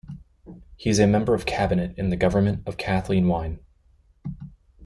He is a member of cabinet in the government of Kathleen Wynne.